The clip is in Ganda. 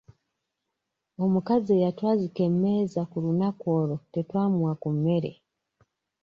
Omukazi eyatwazika emmeeza ku lunaku olwo tetwamuwa ku mmere.